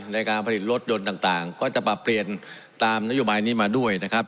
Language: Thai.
ในการผลิตรถยนต์ต่างก็จะปรับเปลี่ยนตามนโยบายนี้มาด้วยนะครับ